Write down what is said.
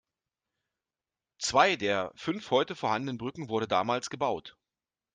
Zwei der fünf heute vorhandenen Brücken wurden damals gebaut.